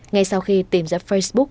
ngay sau khi tìm ra facebook